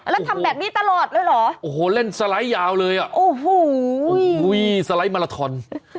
แล้วทำแบบนี้ตลอดเลยเหรอโอ้โหเล่นสไลด์ยาวเลยอ่ะโอ้โหสไลด์มาลาทอน